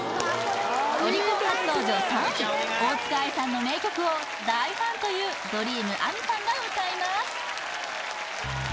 オリコン初登場３位大塚愛さんの名曲を大ファンというＤｒｅａｍＡｍｉさんが歌います